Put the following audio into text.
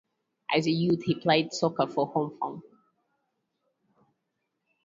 As a youth he played soccer for Home Farm.